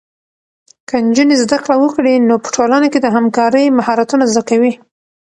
که نجونې زده کړه وکړي، نو په ټولنه کې د همکارۍ مهارتونه زده کوي.